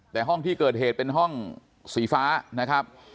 แต่ห้องที่เกิดเหตุเป็นห้องสีฟ้านะครับ